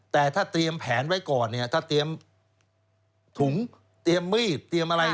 แต่ถ้าเตรียมแผนไว้ก่อนเนี่ยถ้าเตรียมถุงเตรียมมีดเตรียมอะไร